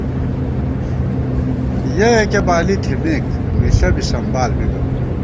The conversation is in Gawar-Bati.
یَہ یَکِہ بالی تھِمېک ، مِݪہ بی سمبال بِبَہ